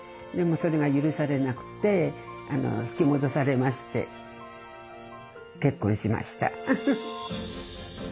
でもそれが許されなくて引き戻されまして結婚しました。